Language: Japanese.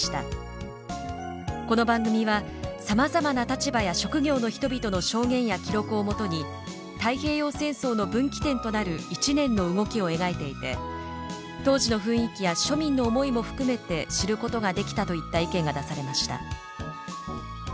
「この番組はさまざまな立場や職業の人々の証言や記録をもとに太平洋戦争の分岐点となる一年の動きを描いていて当時の雰囲気や庶民の思いも含めて知ることができた」といった意見が出されました。